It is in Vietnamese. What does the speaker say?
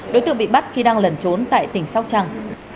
đối tượng bị bắt khi đang lẩn trốn tại tỉnh sóc trăng